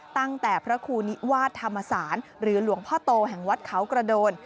ตั้งแต่พระครูนิวาสธรรมศาลหรือหลวงพ่อโตแห่งวัดเขากระโดน